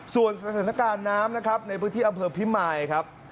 ส่วนสถานการณ์น้ำนะครับในพื้นที่อำเภอพิมายครับ